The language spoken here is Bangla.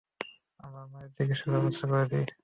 আমরা মায়ের চিকিৎসার ব্যবস্থা করেছি।